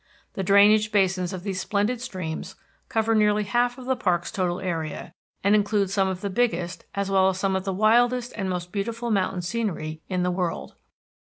The drainage basins of these splendid streams cover nearly half of the park's total area, and include some of the biggest, as well as some of the wildest and most beautiful mountain scenery in the world.